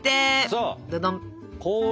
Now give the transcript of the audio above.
そう！